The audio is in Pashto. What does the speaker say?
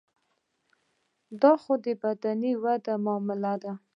دا خو د بدني ودې معامله ده.